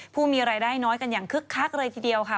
ผู้มีรายได้น้อยกันอย่างคึกคักเลยทีเดียวค่ะ